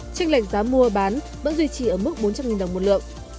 trênh lệnh giá mua bán vẫn duy trì ở mức bốn trăm linh đồng một lượng